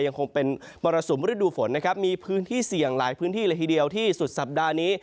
ยังคงเป็นมรสุมฤดูฝนนะครับมีพื้นที่เสี่ยงหลายพื้นที่เลยทีเดียวที่สุดสัปดาห์นี้